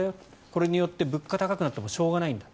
これによって物価が高くなってもしょうがないんだ。